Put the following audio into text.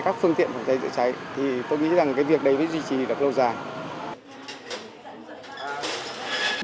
các phương tiện phòng cháy chữa cháy thì tôi nghĩ rằng cái việc đấy mới duy trì được lâu dài